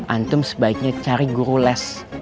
antum sebaiknya cari guru les